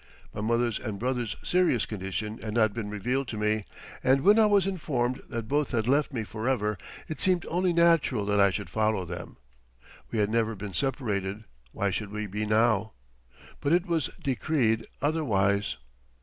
My mother's and brother's serious condition had not been revealed to me, and when I was informed that both had left me forever it seemed only natural that I should follow them. We had never been separated; why should we be now? But it was decreed otherwise.